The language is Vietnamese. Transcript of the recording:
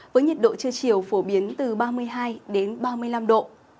với nhiệt độ trưa chiều phổ biến từ ba mươi hai ba mươi năm độ